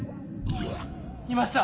いました！